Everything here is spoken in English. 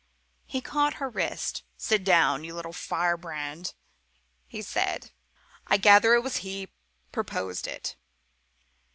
He caught her wrist. "Sit down, you little firebrand," he said. "I gather that he proposed it.